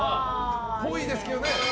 っぽいですけどね。